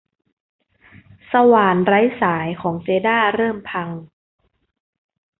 สว่านไร้สายของเจด้าเริ่มพัง